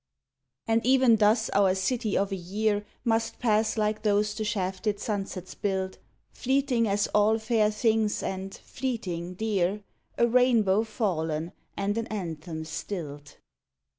And even thus our city of a year Must pass like those the shafted sunsets build, Fleeting as all fair things and, fleeting, dear A rainbow fallen and an anthem stilled.